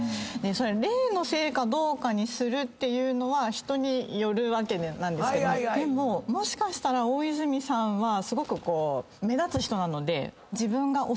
それ霊のせいかどうかにするのは人によるわけなんですけどもしかしたら大泉さんはすごくこう。